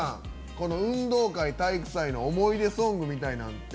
この運動会・体育祭の思い出ソングみたいなのって